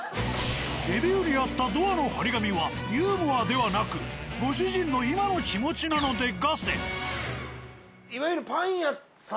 レビューにあったドアの張り紙はユーモアではなくご主人の今の気持ちなのでガセ。